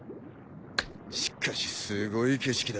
しかしすごい景色だ。